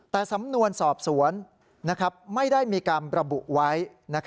แต่สำนวนสอบสวนไม่ได้มีการระบุไว้